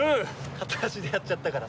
片足でやっちゃったから。